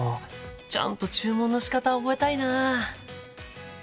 ちゃんと注文のしかた覚えたいな。